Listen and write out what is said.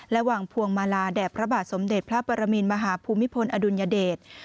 วางพวงมาลาแด่พระบาทสมเด็จพระปรมินมหาภูมิพลอดุลยเดช